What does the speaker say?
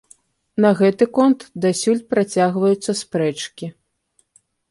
На гэты конт дасюль працягваюцца спрэчкі.